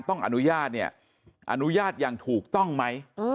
ต้องอนุญาตเนี่ยอนุญาตอย่างถูกต้องไหม